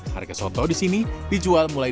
harga soto disini dijual mulai